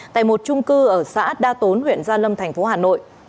tại một trung cư ở xã đa tốn huyện gia lâm thành phố hà nội